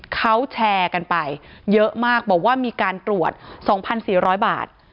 เขาแชร์กันไปเยอะมากบอกว่ามีการตรวจ๒๔๐๐บาท